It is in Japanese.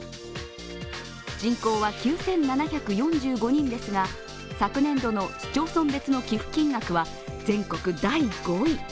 人口は９７４５人ですが、昨年度の市町村別の寄付金額は全国第５位。